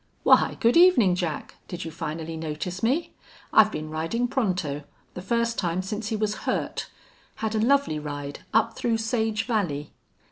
"Why, good evening, Jack! Did you finally notice me?... I've been riding Pronto, the first time since he was hurt. Had a lovely ride up through Sage Valley."